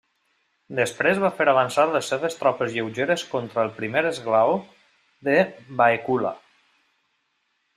Després va fer avançar les seves tropes lleugeres contra el primer esglaó de Baecula.